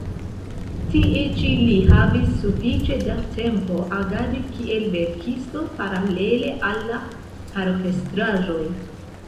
Tie ĉi li havis sufiĉe da tempo agadi kiel verkisto paralele al la paroĥestraĵoj.